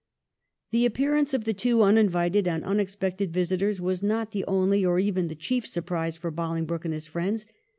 The appearance of the two uninvited and un expected visitors was not the only, or even the chief, surprise for Bolingbroke and his friends.